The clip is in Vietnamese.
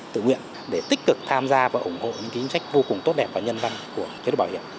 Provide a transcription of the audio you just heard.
tự nguyện để tích cực tham gia và ủng hộ những chính sách vô cùng tốt đẹp và nhân văn của chế độ bảo hiểm